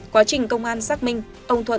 quá trình công an xác minh